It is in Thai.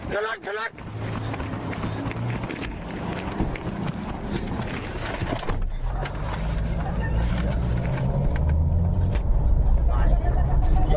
ขนัดขนัด